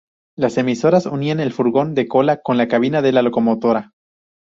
Las emisoras unían el furgón de cola con la cabina de la locomotora.